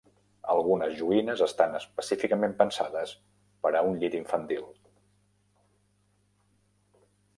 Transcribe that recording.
Algunes joguines estan específicament pensades per a un llit infantil.